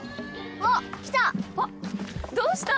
あっ来た！